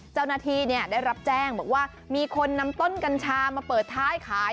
เจ้าหน้าที่ได้รับแจ้งบอกว่ามีคนนำต้นกัญชามาเปิดท้ายขาย